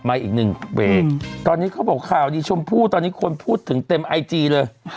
อีกหนึ่งเบรกตอนนี้เขาบอกข่าวดีชมพู่ตอนนี้คนพูดถึงเต็มไอจีเลย